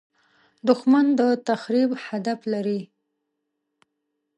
دښمن د تخریب هدف لري